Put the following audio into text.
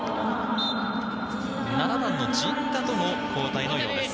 ７番の陣田との交代のようです。